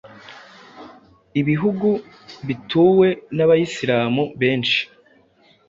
ibihugu bituwe n’abayislam benshi,